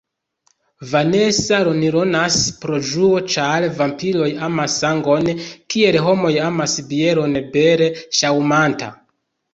Vanesa ronronas pro ĝuo, ĉar vampiroj amas sangon, kiel homoj amas bieron: bele ŝaŭmanta.